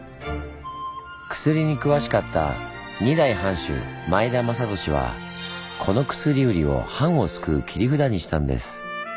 薬に詳しかった二代藩主前田正甫はこの薬売りを藩を救う切り札にしたんです。